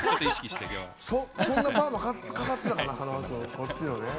そんなパーマかかってたかな花輪君。